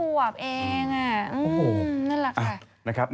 สามควบเองน่ารักค่ะ